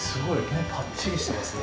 目ぱっちりしてますね。